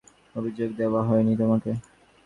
নিহতের পক্ষে এখনো কোনো অভিযোগ দেওয়া হয়নি।